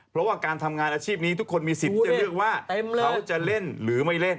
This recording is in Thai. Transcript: เพราะว่าการทำงานอาชีพนี้ทุกคนมีสิทธิ์จะเลือกว่าเขาจะเล่นหรือไม่เล่น